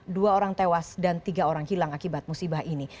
dua orang tewas dan tiga orang hilang akibat musibah ini